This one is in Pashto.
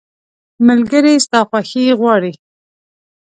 ملګری ستا خوښي غواړي.